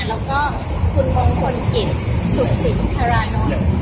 แล้วก็คุณมงคลกิจสุขสินธารานนท์